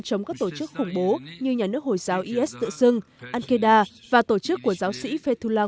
chống các tổ chức khủng bố như nhà nước hồi giáo is tự dưng al qaeda và tổ chức của giáo sĩ fethullah